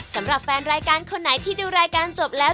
สำหรับแฟนรายการคนไหนที่ดูรายการจบแล้ว